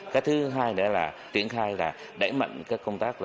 cái thứ hai đó là triển khai là đẩy mạnh các công tác